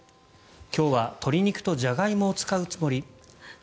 今日は鶏肉とジャガイモを使うつもり。